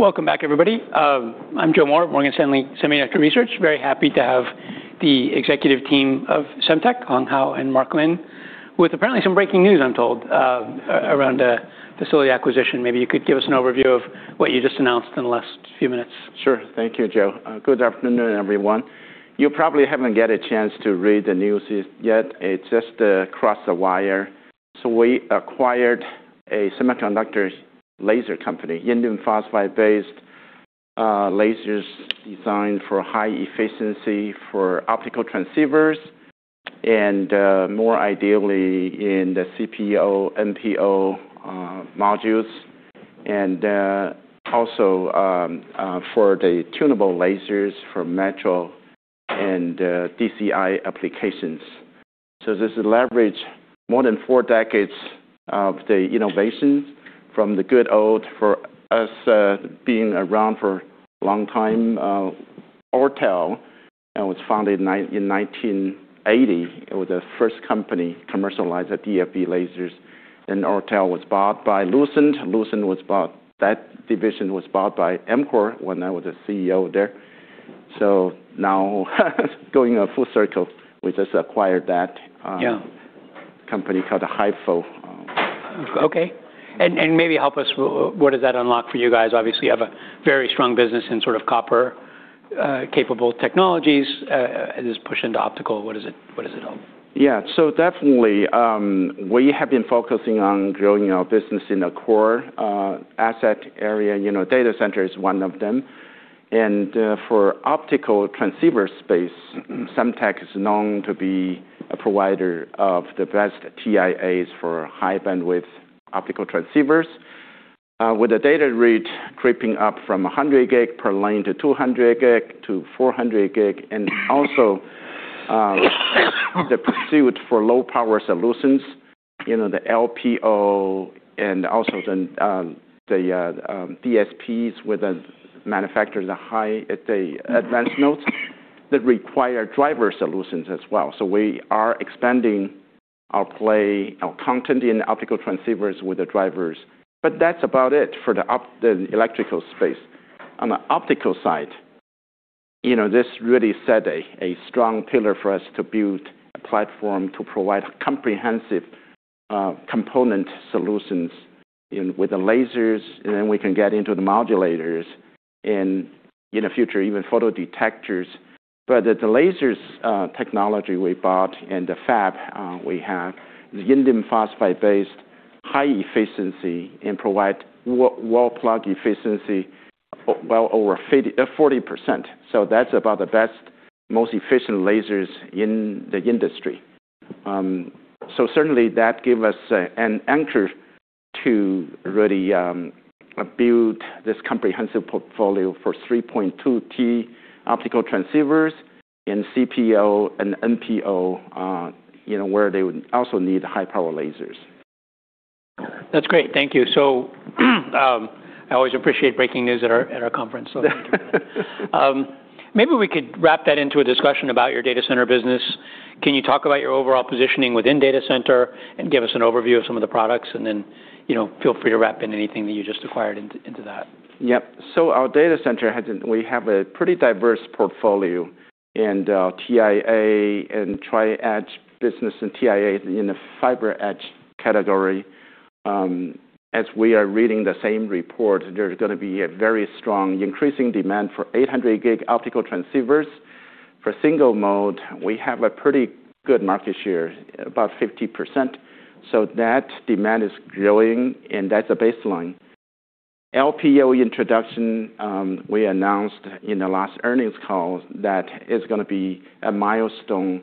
Welcome back, everybody. I'm Joe Moore, Morgan Stanley Semiconductor Research. Very happy to have the executive team of Semtech, Hong Hou and Mark Lin, with apparently some breaking news, I'm told, around facility acquisition. Maybe you could give us an overview of what you just announced in the last few minutes. Sure. Thank you, Joe. Good afternoon, everyone. You probably haven't get a chance to read the news yet. It just crossed the wire. We acquired a semiconductors laser company, Indium Phosphide-based lasers designed for high efficiency for optical transceivers and more ideally in the CPO, MPO modules, and also for the tunable lasers for metro and DCI applications. This leverage more than four decades of the innovations from the good old, for us, being around for a long time, Ortel, and was founded in 1980. It was the first company commercialized the DFB lasers. Ortel was bought by Lucent. That division was bought by EMCORE when I was the CEO there. Now going a full circle, we just acquired that- Yeah company called HieFo. Okay. Maybe help us with what does that unlock for you guys? Obviously, you have a very strong business in sort of copper capable technologies. Does this push into optical? What does it, what does it hold? Yeah. Definitely, we have been focusing on growing our business in the core asset area. You know, data center is one of them. For optical transceiver space, Semtech is known to be a provider of the best TIAs for high bandwidth optical transceivers. With the data rate creeping up from 100 Gb per lane to 200 Gb to 400 Gb, and also, the pursuit for low power solutions, you know, the LPO and also the DSPs with the manufacturers are high at the advanced nodes that require driver solutions as well. We are expanding our play, our content in optical transceivers with the drivers. That's about it for the electrical space. On the optical side, you know, this really set a strong pillar for us to build a platform to provide comprehensive, component solutions with the lasers, and then we can get into the modulators and, in the future, even photo detectors. The lasers, technology we bought and the fab, we have, the Indium Phosphide-based, high efficiency and provide wall-plug efficiency well over 40%. That's about the best, most efficient lasers in the industry. Certainly that give us a, an anchor to really, build this comprehensive portfolio for 3.2T optical transceivers in CPO and MPO, you know, where they would also need high power lasers. That's great. Thank you. I always appreciate breaking news at our conference. Thank you for that. Maybe we could wrap that into a discussion about your data center business. Can you talk about your overall positioning within data center and give us an overview of some of the products? You know, feel free to wrap in anything that you just acquired into that. Yep. We have a pretty diverse portfolio in TIA and Tri-Edge business and TIAs in the FiberEdge category. As we are reading the same report, there's gonna be a very strong increasing demand for 800 Gb optical transceivers. For single mode, we have a pretty good market share, about 50%. That demand is growing, and that's a baseline. LPO introduction, we announced in the last earnings call that it's gonna be a milestone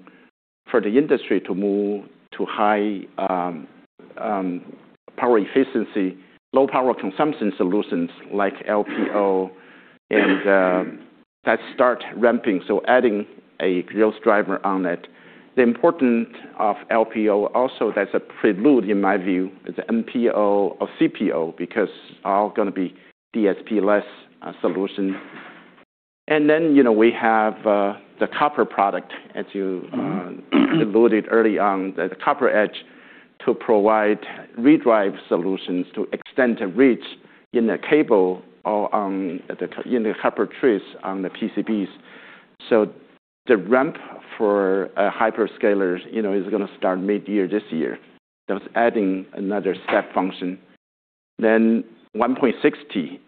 for the industry to move to high power efficiency, low power consumption solutions like LPO. That start ramping, so adding a growth driver on it. The important of LPO also that's a prelude, in my view, is the MPO or CPO because all gonna be DSP-less solution. Then, you know, we have the copper product, as you alluded early on, the CopperEdge to provide redrive solutions to extend the reach in the cable or in the copper trace on the PCBs. The ramp for hyperscalers, you know, is gonna start mid-year this year. That's adding another step function. 1.6T,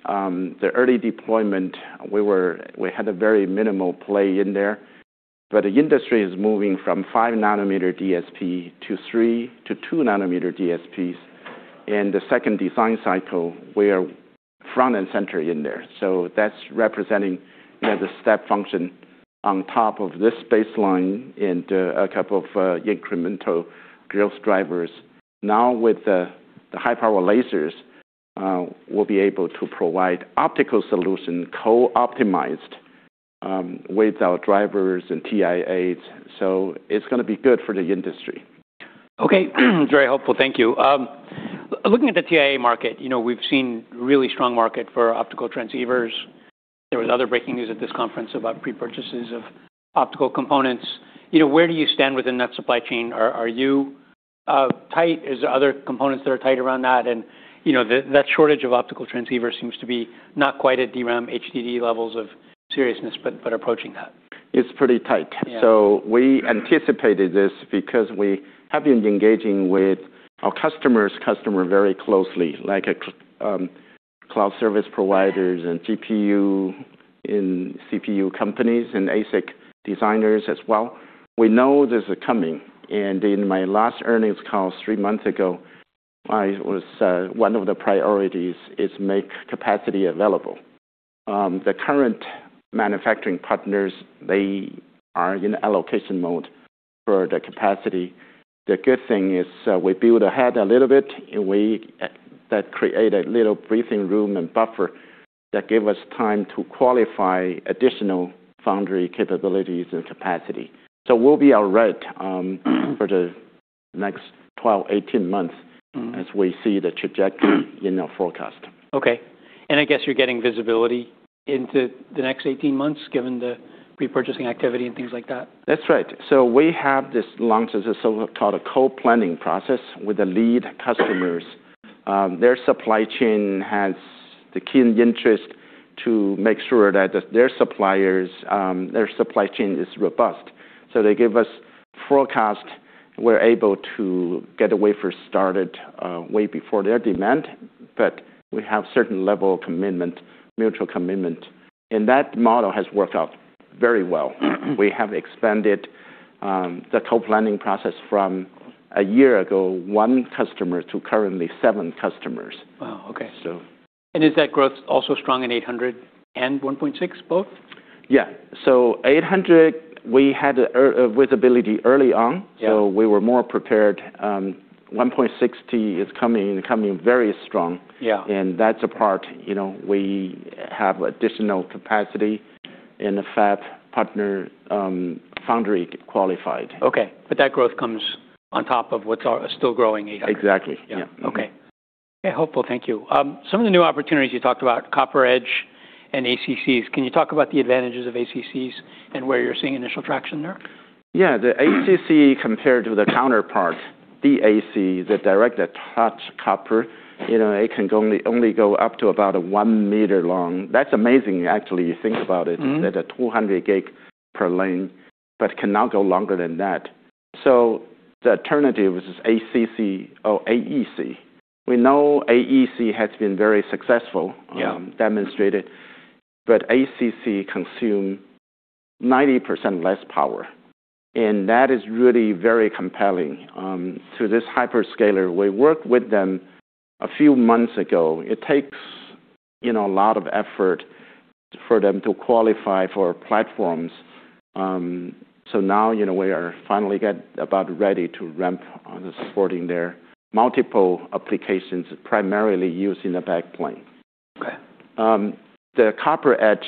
the early deployment, we had a very minimal play in there. The industry is moving from 5 nanometer DSP to three to 2 nanometer DSPs. In the second design cycle, we are front and center in there. That's representing, you know, the step function on top of this baseline into a couple of incremental growth drivers. Now, with the high power lasers, we'll be able to provide optical solution co-optimized with our drivers and TIAs. It's gonna be good for the industry. Okay. Very helpful. Thank you. Looking at the TIA market, you know, we've seen really strong market for optical transceivers. There was other breaking news at this conference about pre-purchases of optical components. You know, where do you stand within that supply chain? Are you tight? Is other components that are tight around that? You know, the, that shortage of optical transceiver seems to be not quite at DRAM, HDD levels of seriousness, but approaching that. It's pretty tight. Yeah. We anticipated this because we have been engaging with our customer's customer very closely, like cloud service providers and GPU and CPU companies and ASIC designers as well. We know this is coming. In my last earnings call three months ago, one of the priorities is make capacity available. The current manufacturing partners, they are in allocation mode for the capacity. The good thing is, we build ahead a little bit, and that create a little briefing room and buffer that give us time to qualify additional foundry capabilities and capacity. We'll be all right, for the next 12 months, 18 months- Mm-hmm. as we see the trajectory in our forecast. Okay. I guess you're getting visibility into the next 18 months given the pre-purchasing activity and things like that. That's right. We have this long-term system called a co-planning process with the lead customers. Their supply chain has the key interest to make sure that their suppliers, their supply chain is robust. They give us forecast. We're able to get a wafer started way before their demand. We have certain level of commitment, mutual commitment. That model has worked out very well. We have expanded the co-planning process from a year ago, one customer, to currently seven customers. Wow. Okay. So. Is that growth also strong in 800 Gb and 1.6T both? Yeah. 800 Gb, we had visibility early on. Yeah. We were more prepared. 1.6T is coming very strong. Yeah. That's a part, you know, we have additional capacity in the fab partner, foundry qualified. Okay. That growth comes on top of what's still growing 800 Gb. Exactly. Yeah. Yeah. Mm-hmm. Okay. Yeah, hopeful. Thank you. Some of the new opportunities you talked about, CopperEdge and ACCs, can you talk about the advantages of ACCs and where you're seeing initial traction there? Yeah. The ACC compared to the counterpart, DAC, the Direct Attach Copper, you know, it can only go up to about a 1 meter long. That's amazing, actually, you think about it. Mm-hmm. That a 200 Gb per lane, but cannot go longer than that. The alternative is ACC or AEC. We know AEC has been very successful demonstrated. Yeah. ACC consume 90% less power. That is really very compelling to this hyperscaler. We worked with them a few months ago. It takes, you know, a lot of effort for them to qualify for platforms. Now, you know, we are finally get about ready to ramp on the supporting their multiple applications, primarily used in the backplane. Okay. The CopperEdge,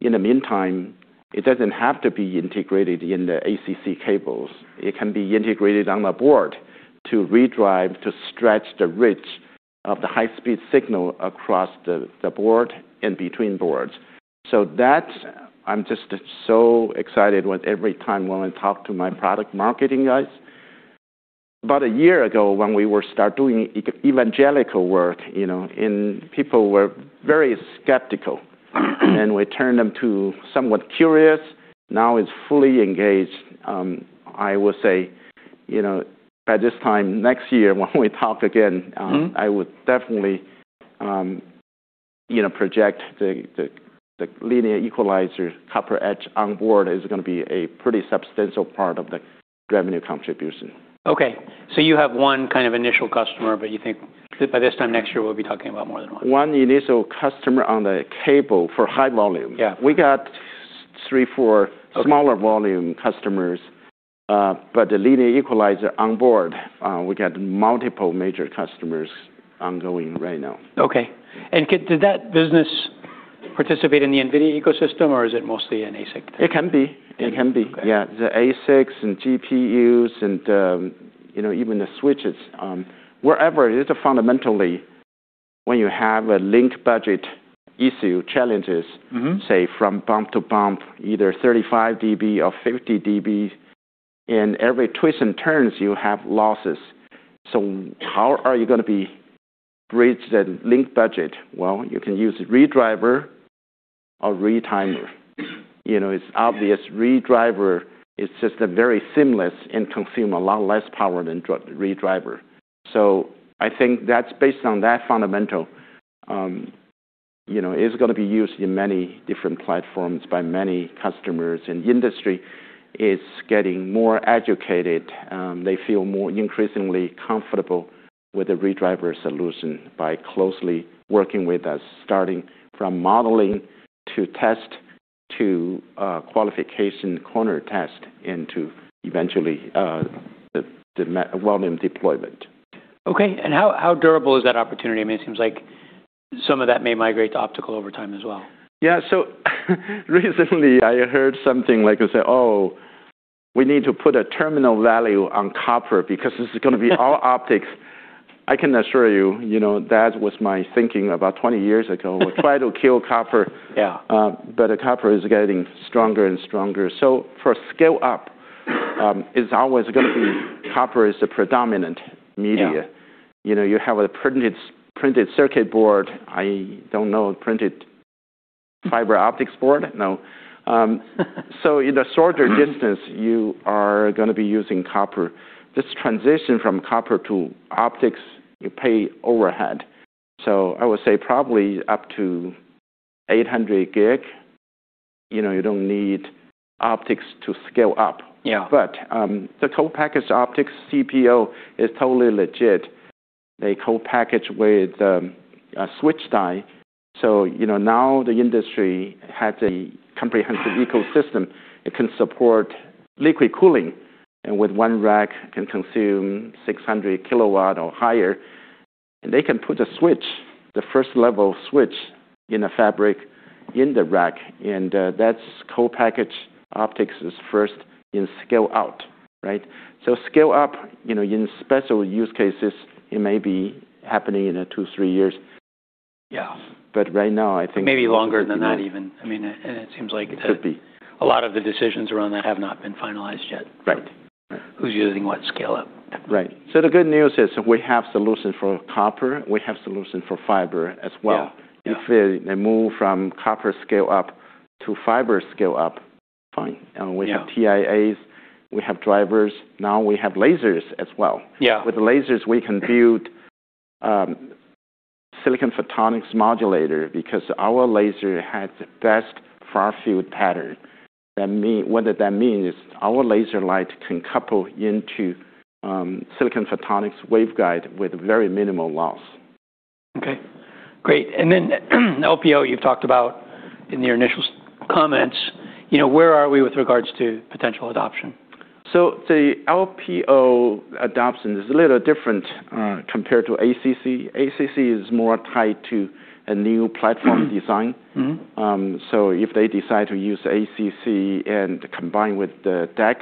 in the meantime, it doesn't have to be integrated in the ACC cables. It can be integrated on the board to redrive, to stretch the reach of the high-speed signal across the board and between boards. I'm just so excited when every time when I talk to my product marketing guys. About a year ago, when we were start doing e-evangelical work, you know, and people were very skeptical, and we turned them to somewhat curious. Now it's fully engaged. I would say, you know, by this time next year when we talk again. Mm-hmm. I would definitely, you know, project the linear equalizer CopperEdge on board is gonna be a pretty substantial part of the revenue contribution. You have one kind of initial customer, but you think by this time next year, we'll be talking about more than one. One initial customer on the cable for high volume. Yeah. We got three. Okay. Smaller volume customers, but the linear equalizer on board, we got multiple major customers ongoing right now. Okay. Did that business participate in the NVIDIA ecosystem, or is it mostly an ASIC thing? It can be. It can be. Okay. Yeah. The ASICs and GPUs and, you know, even the switches, wherever. It is fundamentally when you have a link budget issue, challenges- Mm-hmm. say from bump to bump, either 35 dB or 50 dB, and every twist and turns, you have losses. How are you gonna be bridge that link budget? Well, you can use redriver or retimer. You know, it's obvious redriver is just a very seamless and consume a lot less power than redriver. I think that's based on that fundamental, you know, is gonna be used in many different platforms by many customers, and the industry is getting more educated. They feel more increasingly comfortable with the redriver solution by closely working with us, starting from modeling to test to qualification corner test into eventually the volume deployment. Okay. How durable is that opportunity? I mean, it seems like some of that may migrate to optical over time as well. Yeah. Recently, I heard something like you say, "Oh, we need to put a terminal value on copper because this is gonna be all optics." I can assure you know, that was my thinking about 20 years ago. We try to kill copper. Yeah. The copper is getting stronger and stronger. For scale up, it's always gonna be copper is the predominant media. Yeah. You know, you have a printed circuit board. I don't know, printed fiber optics board. No. In the shorter distance, you are gonna be using copper. This transition from copper to optics, you pay overhead. I would say probably up to 800 Gb, you know, you don't need optics to scale up. Yeah. The Co-Packaged Optics CPO is totally legit. They co-package with a switch die. You know, now the industry has a comprehensive ecosystem. It can support liquid cooling, and with one rack can consume 600 kW or higher. They can put a switch, the first level switch in a fabric in the rack, and that's Co-Packaged Optics is first in scale out, right? Scale up, you know, in special use cases, it may be happening in two years, three years. Yeah. Right now, I think. Maybe longer than that even. I mean, it seems like- It could be. a lot of the decisions around that have not been finalized yet. Right. Right. Who's using what scale up? Right. The good news is we have solution for copper, we have solution for fiber as well. Yeah. Yeah. If they move from copper scale up to fiber scale up, fine. Yeah. We have TIAs, we have drivers, now we have lasers as well. Yeah. With the lasers, we can build, silicon photonics modulator because our laser has the best far-field pattern. What that means is our laser light can couple into, silicon photonics waveguide with very minimal loss. Okay. Great. Then LPO, you've talked about in your initial comments, you know, where are we with regards to potential adoption? The LPO adoption is a little different compared to ACC. ACC is more tied to a new platform design. Mm-hmm. If they decide to use ACC and combine with the DAC,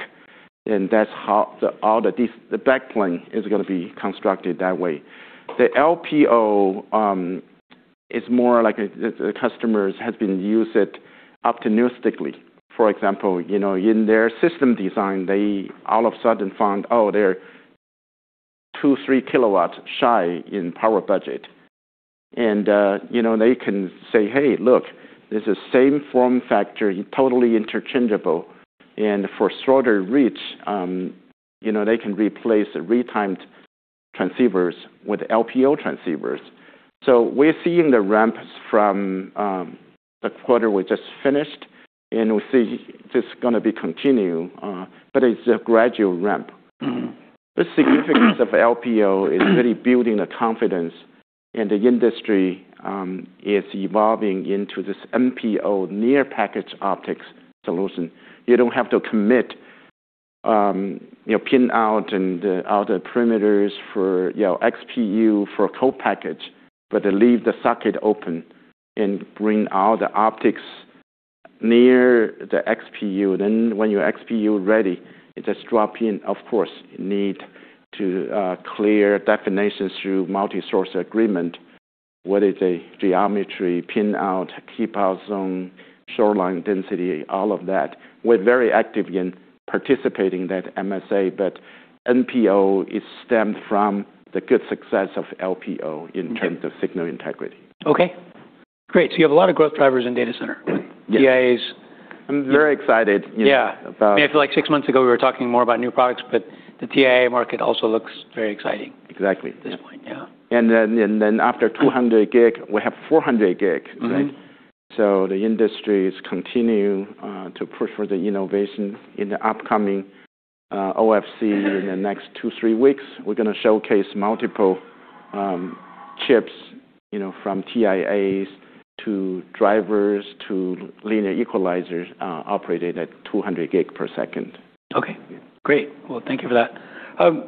then that's how the back plane is gonna be constructed that way. The LPO is more like a, the customers have been use it opportunistically. For example, you know, in their system design, they all of a sudden found, oh, they're 2 KW, 3 kW shy in power budget. You know, they can say, "Hey, look, this is same form factor, totally interchangeable." For shorter reach, you know, they can replace the retimed transceivers with LPO transceivers. We're seeing the ramps from the quarter we just finished, and we see this gonna be continue, but it's a gradual ramp. Mm-hmm. The significance of LPO is really building the confidence. The industry is evolving into this MPO, Near-Packaged Optics solution. You don't have to commit, you know, pin out and the other parameters for, you know, XPU for co-package, but they leave the socket open and bring all the optics near the XPU. When your XPU ready, it just drop in. You need to clear definitions through multi-source agreement, whether it's a geometry pin out, keep out zone, shoreline density, all of that. We're very active in participating that MSA. MPO is stemmed from the good success of LPO in terms of Signal Integrity. Okay. Great. You have a lot of growth drivers in data center. Yes. TIAs. I'm very excited, you know- Yeah about- I mean, I feel like six months ago, we were talking more about new products, but the TIA market also looks very exciting- Exactly. at this point. Yeah. After 200 Gb, we have 400 Gb. Mm-hmm. The industry is continuing to push for the innovation. In the upcoming OFC in the next two weeks, three weeks, we're gonna showcase multiple chips, you know, from TIAs to drivers to linear equalizers, operating at 200 Gbps. Okay. Great. Well, thank you for that.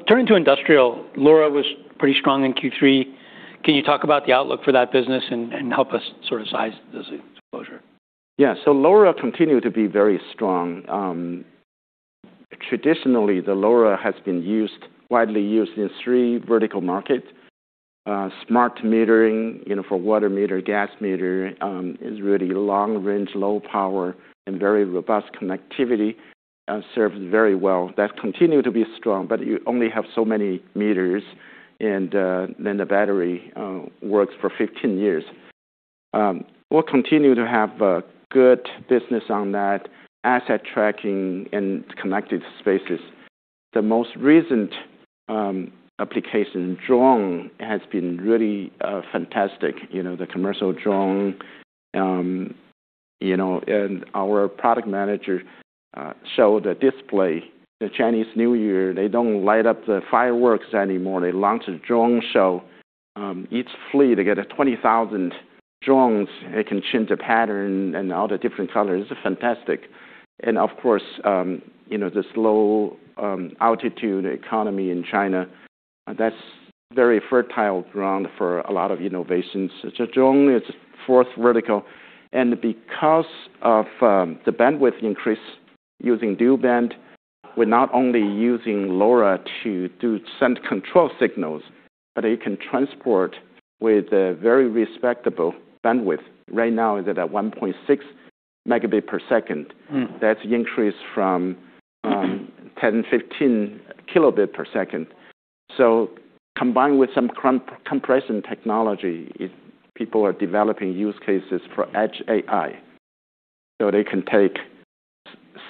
Turning to industrial, LoRa was pretty strong in Q3. Can you talk about the outlook for that business and help us sort of size this exposure? Yeah. LoRa continue to be very strong. Traditionally, the LoRa has been used, widely used in three vertical market. Smart metering, you know, for water meter, gas meter, is really long range, low power, and very robust connectivity, serves very well. That continue to be strong, you only have so many meters and the battery works for 15 years. We'll continue to have a good business on that, asset tracking and connected spaces. The most recent application, drone, has been really fantastic. You know, the commercial drone. You know, our product manager show the display, the Chinese New Year, they don't light up the fireworks anymore. They launch a drone show. Each fleet, they get a 20,000 drones. It can change the pattern and all the different colors. It's fantastic. Of course, you know, this low altitude economy in China. That's very fertile ground for a lot of innovations. Drone is fourth vertical. Because of the bandwidth increase using dual-band, we're not only using LoRa to send control signals, but it can transport with a very respectable bandwidth. Right now is at 1.6 Mbps. Mm. That's increase from, 10 Kbps, 15 Kbps. Combined with some compression technology, it people are developing use cases for Edge AI. They can take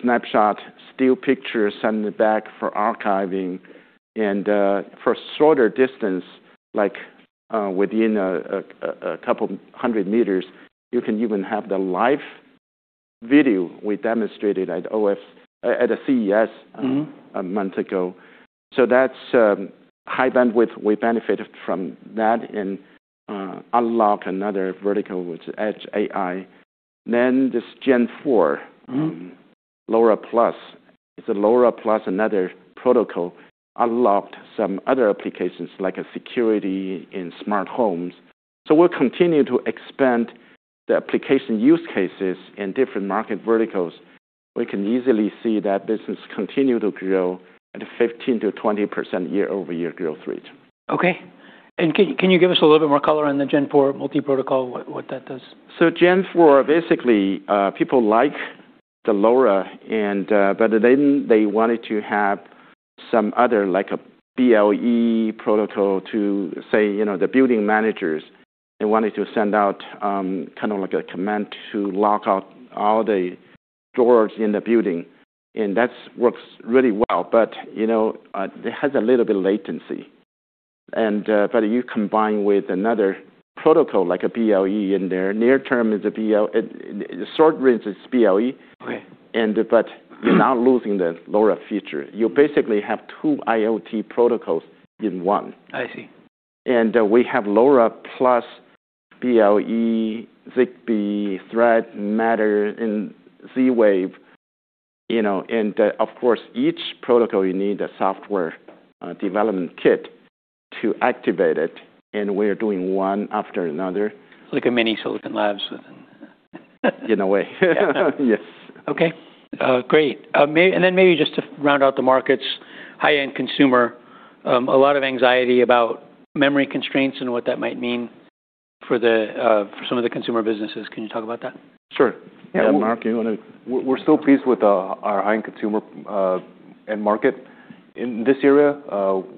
snapshot, still pictures, send it back for archiving and for shorter distance, like within a couple 100 meters, you can even have the live video we demonstrated at the CES- Mm-hmm., a month ago. That's, high bandwidth. We benefited from that and, unlock another vertical with Edge AI. This Gen4 LoRa Plus. It's a LoRa Plus another protocol, unlocked some other applications like a security in smart homes. We'll continue to expand the application use cases in different market verticals. We can easily see that business continue to grow at a 15%-20% year-over-year growth rate. Okay. Can you give us a little bit more color on the Gen4 multi-protocol, what that does? Gen4, basically, people like the LoRa and, they wanted to have some other, like a BLE protocol to say, you know, the building managers, they wanted to send out, kind of like a command to lock out all the doors in the building, and that's works really well. You know, it has a little bit latency. You combine with another protocol like a BLE in there. The short range is BLE. Okay. But you're now losing the LoRa feature. You basically have two IoT protocols in one. I see. We have LoRa plus BLE, Zigbee, Thread, Matter, and Z-Wave, you know. Of course, each protocol you need a software development kit to activate it, and we're doing one after another. Like a mini Silicon Labs within. In a way. Yes. Okay. Great. Then maybe just to round out the markets, high-end consumer, a lot of anxiety about memory constraints and what that might mean for the for some of the consumer businesses. Can you talk about that? Sure. Yeah, Mark, you wanna. We're still pleased with our high-end consumer end market. In this area,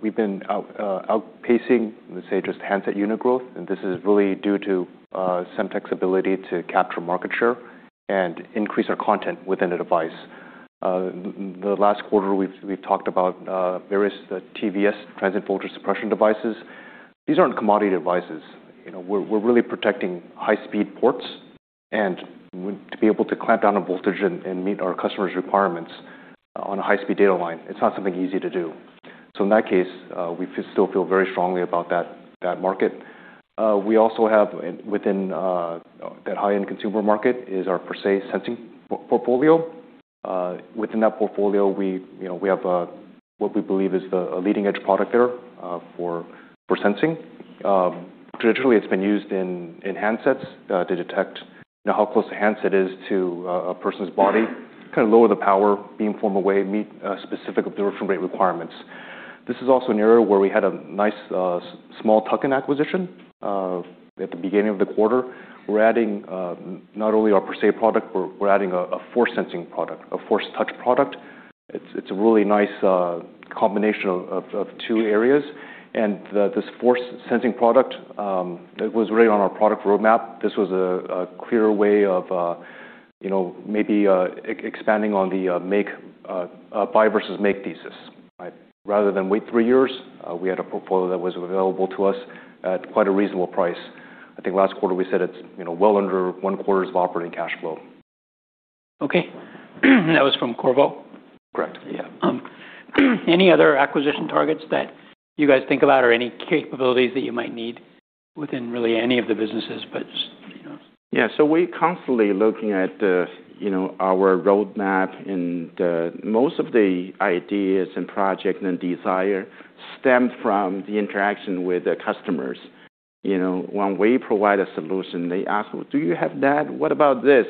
we've been outpacing, let's say, just handset unit growth. This is really due to Semtech's ability to capture market share and increase our content within the device. The last quarter, we've talked about various TVS, transient voltage suppression devices. These aren't commodity devices. You know, we're really protecting high-speed ports and to be able to clamp down a voltage and meet our customers' requirements on a high-speed data line. It's not something easy to do. In that case, we still feel very strongly about that market. We also have within that high-end consumer market is our PerSe Sensing portfolio. within that portfolio, we, you know, we have what we believe is a leading-edge product there for sensing. Traditionally, it's been used in handsets to detect, you know, how close the handset is to a person's body, kinda lower the power, beam form away, meet Specific Absorption Rate requirements. This is also an area where we had a nice small tuck-in acquisition at the beginning of the quarter. We're adding not only our PerSe product, we're adding a force sensing product, a force touch product. It's a really nice combination of two areas. This force sensing product, it was really on our product roadmap. This was a clear way of, you know, maybe expanding on the make, buy versus make thesis, right? Rather than wait three years, we had a portfolio that was available to us at quite a reasonable price. I think last quarter we said it's, you know, well under one-quarters of operating cash flow. Okay. That was from Qorvo? Correct. Yeah. Any other acquisition targets that you guys think about or any capabilities that you might need within really any of the businesses, but just, you know. Yeah. We're constantly looking at the, you know, our roadmap and the most of the ideas and project and desire stem from the interaction with the customers. You know, when we provide a solution, they ask, "Well, do you have that? What about this?"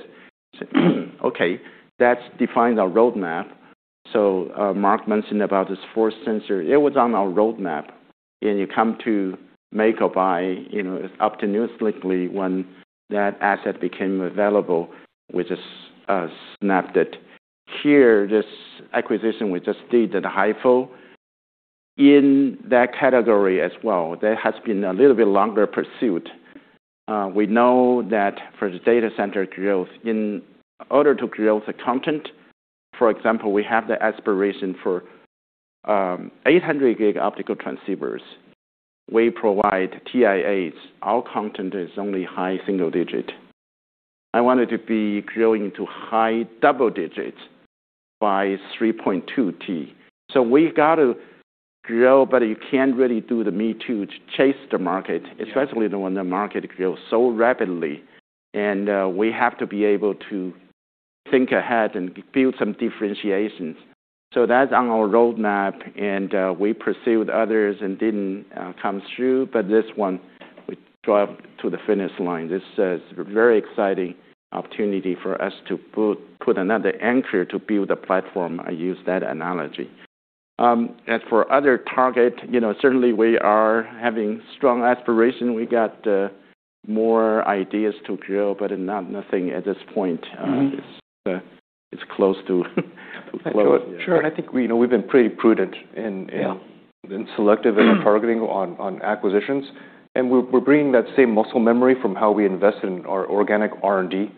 Okay, that defines our roadmap. Mark mentioned about this force sensor. It was on our roadmap, and you come to make or buy, you know, opportunistically when that asset became available, we just, snapped it. Here, this acquisition we just did at HieFo, in that category as well, there has been a little bit longer pursuit. We know that for the data center growth, in order to grow the content, for example, we have the aspiration for 800 Gb optical transceivers. We provide TIAs. Our content is only high single digit. I wanted to be growing to high double digits by 3.2T. We've got to grow, but you can't really do the me too to chase the market- Yeah. especially the one the market grows so rapidly. We have to be able to- Think ahead and build some differentiations. That's on our roadmap, and we pursued others and didn't come through, but this one we drove to the finish line. This is a very exciting opportunity for us to put another anchor to build a platform. I use that analogy. As for other target, you know, certainly we are having strong aspiration. We got more ideas to grow, but not nothing at this point. Mm-hmm. It's, it's close to close, yeah. Sure. I think we know we've been pretty prudent- Yeah in selective in our targeting on acquisitions. We're bringing that same muscle memory from how we invest in our organic R&D.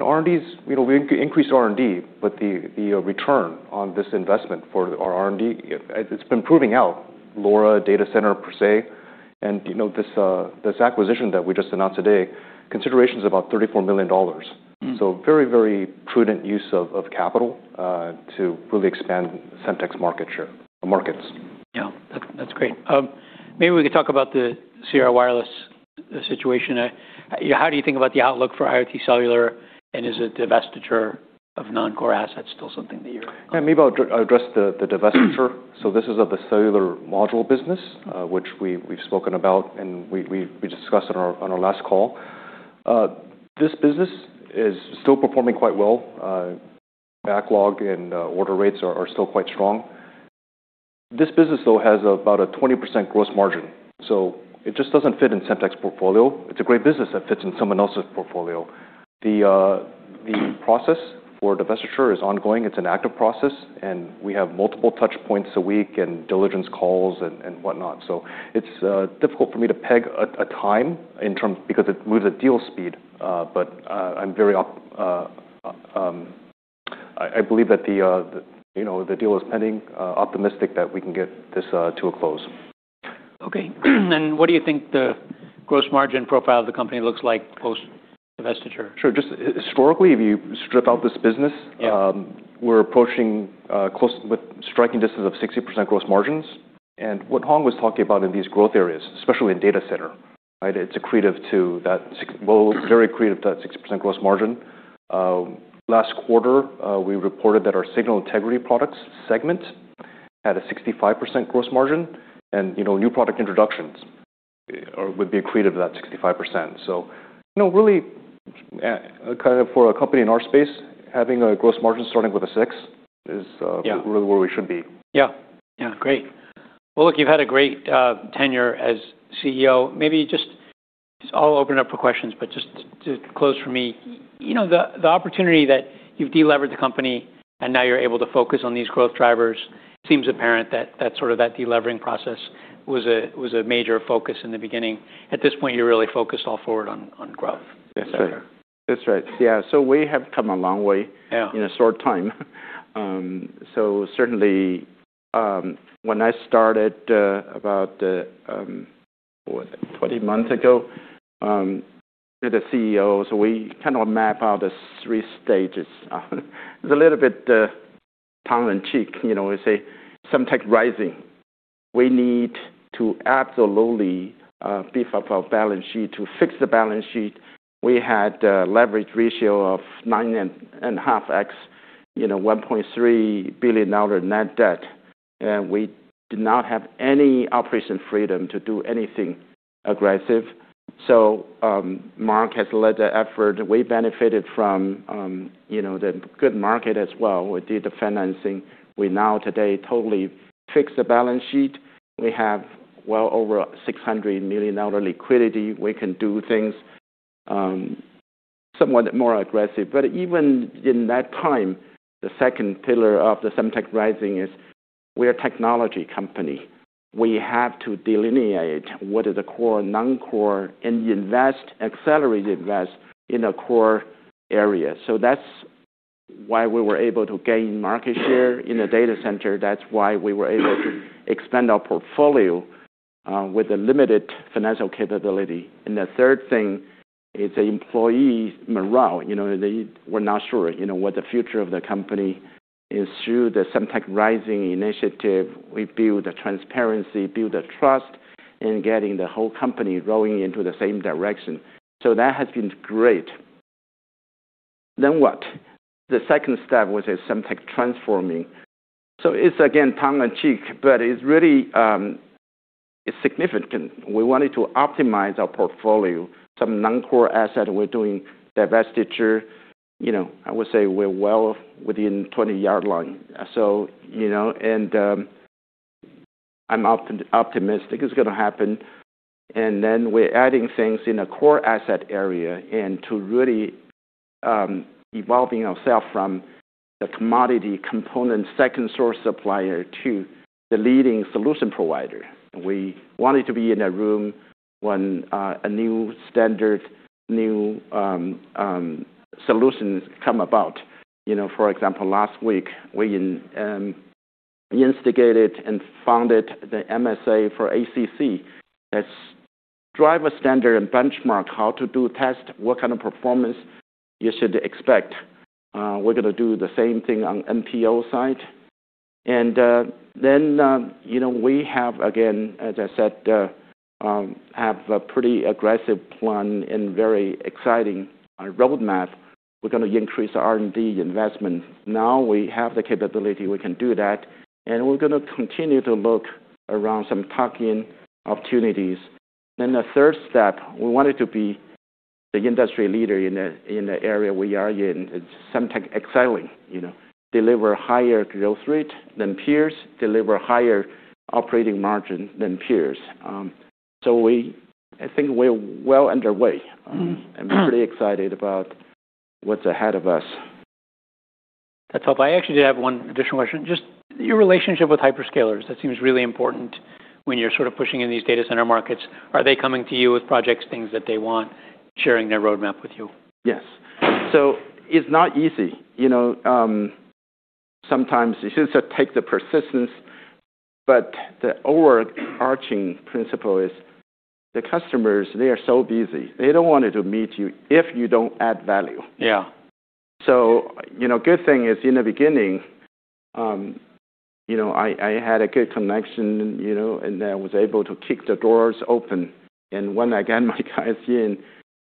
R&D is, you know, we increase R&D, but the return on this investment for our R&D, it's been proving out LoRa data center PerSe. You know, this acquisition that we just announced today, consideration's about $34 million. Mm-hmm. Very, very prudent use of capital, to really expand Semtech's market share, markets. Yeah. That's great. Maybe we could talk about the Sierra Wireless situation. You know, how do you think about the outlook for IoT cellular, and is a divestiture of non-core assets still something that you're Yeah. Maybe I'll address the divestiture. This is of the cellular module business, which we've spoken about, and we discussed on our last call. This business is still performing quite well. Backlog and order rates are still quite strong. This business, though, has about a 20% gross margin, so it just doesn't fit in Semtech's portfolio. It's a great business that fits in someone else's portfolio. The process for divestiture is ongoing. It's an active process, and we have multiple touch points a week and diligence calls and whatnot. It's difficult for me to peg a time because it moves at deal speed. I believe that the, you know, the deal is pending, optimistic that we can get this, to a close. Okay. What do you think the gross margin profile of the company looks like post-divestiture? Sure. Just historically, if you strip out this. Yeah We're approaching close with striking distance of 60% gross margins. What Hong was talking about in these growth areas, especially in data center, right? It's accretive to that well, very accretive to that 60% gross margin. Last quarter, we reported that our Signal Integrity Products segment had a 65% gross margin. You know, new product introductions would be accretive to that 65%. You know, really, kind of for a company in our space, having a gross margin starting with a six is- Yeah. really where we should be. Yeah. Yeah. Great. Well, look, you've had a great tenure as CEO. Maybe just I'll open it up for questions, but just to close for me, you know, the opportunity that you've delevered the company and now you're able to focus on these growth drivers, seems apparent that that sort of, that delevering process was a, was a major focus in the beginning. At this point, you're really focused all forward on growth. That's right. Et cetera. That's right. Yeah. We have come a long way. Yeah. in a short time. Certainly, when I started about 20 months ago, as the CEO, we kind of map out the three stages. It's a little bit tongue in cheek, you know, we say Semtech Rising. We need to absolutely beef up our balance sheet. To fix the balance sheet, we had a leverage ratio of 9.5x, you know, $1.3 billion net debt. We did not have any operation freedom to do anything aggressive. Mark Lin has led the effort. We benefited from, you know, the good market as well. We did the financing. We now today totally fixed the balance sheet. We have well over $600 million liquidity. We can do things somewhat more aggressive. Even in that time, the second pillar of the Semtech Rising is we're a technology company. We have to delineate what is the core, non-core and invest, accelerated invest in a core area. That's why we were able to gain market share in the data center. That's why we were able to expand our portfolio with a limited financial capability. The third thing is the employee morale. You know, they were not sure, you know, what the future of the company is. Through the Semtech Rising initiative, we build the transparency, build the trust in getting the whole company rowing into the same direction. That has been great. What? The second step, which is Semtech Transforming. It's again, tongue in cheek, but it's really significant. We wanted to optimize our portfolio. Some non-core asset we're doing divestiture. You know, I would say we're well within 20 yard line. You know, and, I'm optimistic it's gonna happen. Then we're adding things in a core asset area and to really evolving ourselves from the commodity component second source supplier to the leading solution provider. We wanted to be in a room when a new standard, new solutions come about. You know, for example, last week we instigated and founded the MSA for ACC. That's drive a standard and benchmark how to do test, what kind of performance you should expect. We're gonna do the same thing on MPO side. Then, you know, we have, again, as I said, have a pretty aggressive plan and very exciting roadmap. We're gonna increase the R&D investment. We have the capability, we can do that, and we're gonna continue to look around some tuck-in opportunities. The third step, we wanted to be the industry leader in the, in the area we are in. It's Semtech Excelling, you know, deliver higher growth rate than peers, deliver higher operating margin than peers. I think we're well underway. I'm pretty excited about what's ahead of us. That's helpful. I actually have one additional question. Just your relationship with hyperscalers, that seems really important when you're sort of pushing in these data center markets. Are they coming to you with projects, things that they want, sharing their roadmap with you? Yes. It's not easy. You know, sometimes it seems to take the persistence, but the overarching principle is the customers, they are so busy. They don't want to meet you if you don't add value. Yeah. You know, good thing is, in the beginning, you know, I had a good connection, you know, and I was able to kick the doors open. When I get my guys in,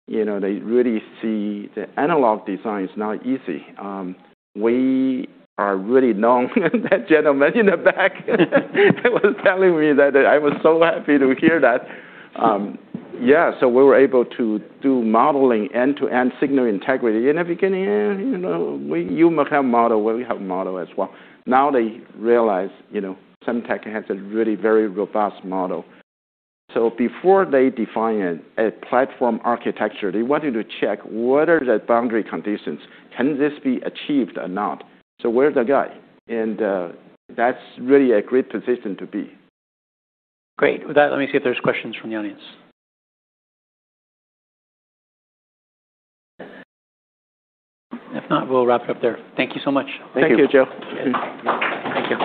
you know, they really see the analog design is not easy. We are really known. That gentleman in the back was telling me that. I was so happy to hear that. We were able to do modeling, end-to-end signal integrity. In the beginning, you know, you must have model, well, we have model as well. Now they realize, you know, Semtech has a really very robust model. Before they define a platform architecture, they wanted to check what are the boundary conditions, can this be achieved or not? We're the guy, and that's really a great position to be. Great. With that, let me see if there's questions from the audience. If not, we'll wrap it up there. Thank you so much. Thank you. Thank you, Joe. Thank you.